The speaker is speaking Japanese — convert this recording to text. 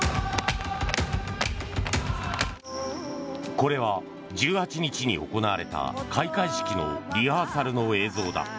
これは１８日に行われた開会式のリハーサルの映像だ。